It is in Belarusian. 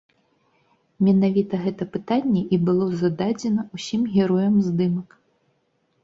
Менавіта гэтае пытанне і было зададзена ўсім героям здымак.